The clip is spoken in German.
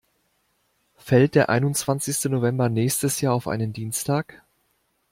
Fällt der einundzwanzigste November nächstes Jahr auf einen Dienstag?